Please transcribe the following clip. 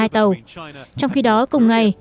một mươi hai tàu trong khi đó cùng ngày